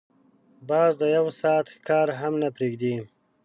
باز د یو ساعت ښکار هم نه پریږدي